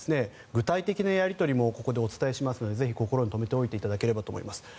具体的なやり取りもここでお伝えしますのでぜひ心に留めていただければと思います。